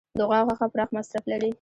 د غوا غوښه پراخ مصرف لري.